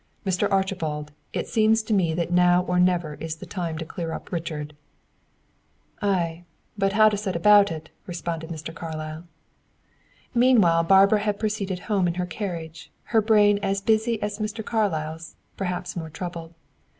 "Mr. Archibald, it seems to me that now or never is the time to clear up Richard." "Aye; but how set about it?" responded Mr. Carlyle. Meanwhile Barbara had proceeded home in her carriage, her brain as busy as Mr. Carlyle's, perhaps more troubled.